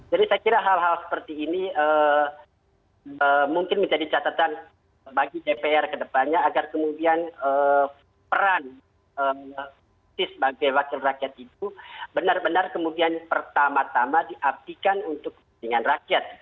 jadi saya kira hal hal seperti ini mungkin menjadi catatan bagi dpr ke depannya agar kemudian peran spesies sebagai wakil rakyat itu benar benar kemudian pertama tama diaktifkan untuk kepentingan rakyat